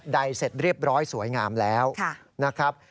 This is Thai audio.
เสร็จเรียบร้อยสวยงามแล้วนะครับ